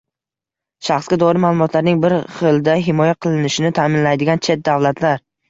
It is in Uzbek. Shaxsga doir ma’lumotlarning bir xilda himoya qilinishini ta’minlamaydigan chet davlatlar